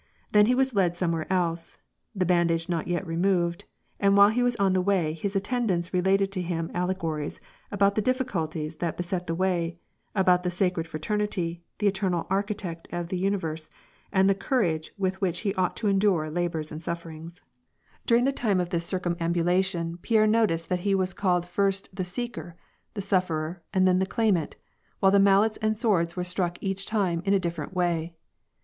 Then he was led somewhere else, the bandage not yet removed, and while he was on the way, his attendants related to him allego ries about the difficulties that beset his way, about the Sacred Fraternity, the Eternal Architect of the Univei*se, and the Cour age with which he ought to endure labors and sufferings. During WAR AND PEACE. 83 the time of this circumambulation, Pierre noticed that he was called first the " Seeker," the " Sufferer," then the « Claimant," while the mallets and swords were struck each time in a differ ent way.